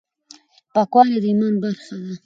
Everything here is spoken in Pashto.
پاکواله د ایمان برخه ده.